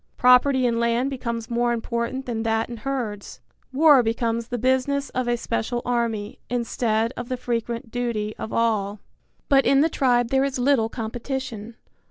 Property in land becomes more important than that in herds. War becomes the business of a special army, instead of the frequent duty of all. But in the tribe there is little competition.